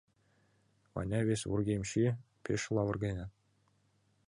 — Ваня, вес вургемым чие, пеш лавыргенат.